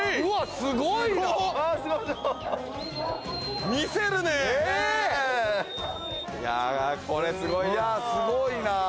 わ、すごいな。